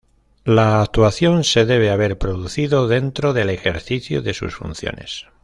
La actuación se debe haber producido dentro del ejercicio de sus funciones.